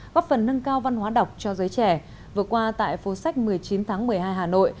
góp phần nâng cao văn hóa đọc cho giới trẻ vừa qua tại phố sách một mươi chín tháng một mươi hai hà nội